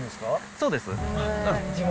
そうです。